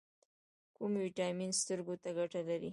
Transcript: کوم ویټامین سترګو ته ګټه لري؟